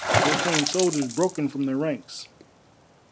There came soldiers broken from their ranks.